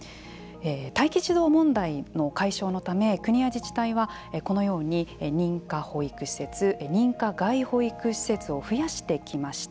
待機児童問題の解消のため国や自治体はこのように、認可保育施設認可外保育施設を増やしてきました。